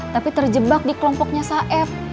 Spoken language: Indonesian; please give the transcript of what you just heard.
tapi terjebak di kelompoknya saeb